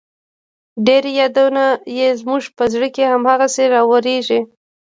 ډېر يادونه يې زما په زړه هم هغسې راوريږي